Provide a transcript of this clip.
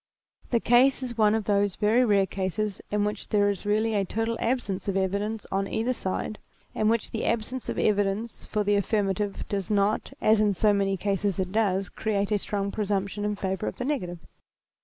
The case is one of those very rare cases in which there^ is really a total absence of evidence on either side, and in which the absence of evidence for the affirmative cfoes~~not, asm so many cases it does, create a strong presumption in favour of the negative.